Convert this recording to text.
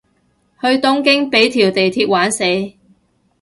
去東京畀條地鐵玩死